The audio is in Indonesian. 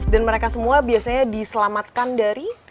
dan mereka semua biasanya diselamatkan dari